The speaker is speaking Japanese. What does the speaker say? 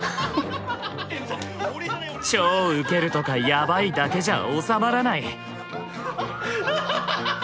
「超ウケる」とか「やばい」だけじゃ収まらない！